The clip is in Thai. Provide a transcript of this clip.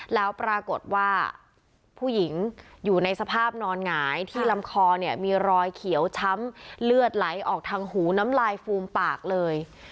แล้วปรากฏว่าผู้หญิงอยู่ในสภาพนอนหงายที่ลำคอเนี่ยมีรอยเขียวช้ำเลือดไหลออกทางหูน้ำลายฟูมปากเลย